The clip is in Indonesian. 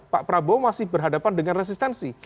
pak prabowo masih berhadapan dengan resistensi